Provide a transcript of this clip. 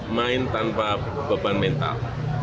main tanpa beban mental